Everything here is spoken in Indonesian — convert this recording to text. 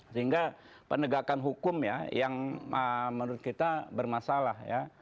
sehingga penegakan hukum ya yang menurut kita bermasalah ya